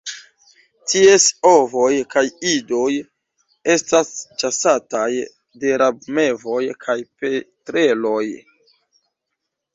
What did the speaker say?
Ties ovoj kaj idoj estas ĉasataj de rabmevoj kaj petreloj.